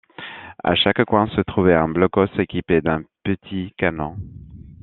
À chaque coin se trouvait un blockhaus équipé d'un petit canon.